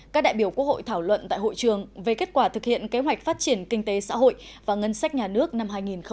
các đại biểu quốc hội thảo luận tại hội trường về kết quả thực hiện kế hoạch phát triển kinh tế xã hội và ngân sách nhà nước năm hai nghìn một mươi chín